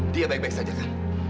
dia baik baik saja kan